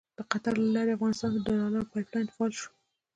د قطر له لارې افغانستان ته د ډالرو پایپ لاین فعال شو.